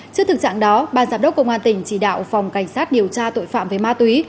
trước thực trạng đó ban giám đốc công an tỉnh chỉ đạo phòng cảnh sát điều tra tội phạm về ma túy